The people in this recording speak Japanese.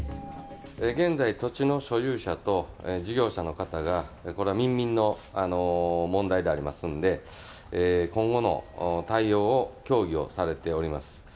現在、土地の所有者と事業者の方が、これは民民の問題でありますんで、今後の対応を協議をされております。